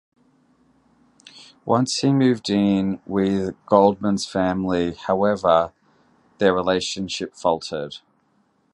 Once he moved in with Goldman's family, however, their relationship faltered.